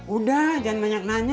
udah jangan banyak nanya